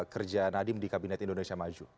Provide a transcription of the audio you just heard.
kerja nadiem di kabinet indonesia maju